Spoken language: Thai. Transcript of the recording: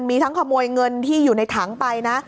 มีทั้งขโมยเงินที่อยู่ในถังไปนะ